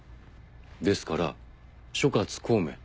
ですから諸葛孔明。